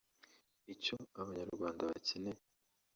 icyo abanyarwanda bakeneye